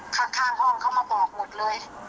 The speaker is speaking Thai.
ข้างห้องเขามาบอกหมดเลย